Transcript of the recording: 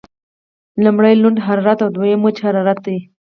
لمړی لوند حرارت او دویم وچ حرارت دی.